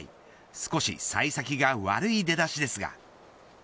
少し幸先が悪い出だしですが。